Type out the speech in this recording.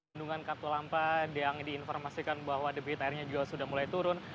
bendungan katulampa yang diinformasikan bahwa debit airnya juga sudah mulai turun